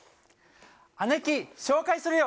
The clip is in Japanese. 姉貴、紹介するよ。